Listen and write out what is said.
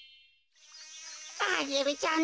アゲルちゃん